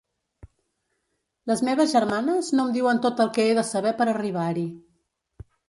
Les meves germanes no em diuen tot el que he de saber per arribar-hi.